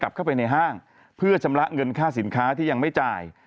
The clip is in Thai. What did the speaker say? เข้าไปในห้างเพื่อชำระเงินค่าสินค้าที่ยังไม่จ่าย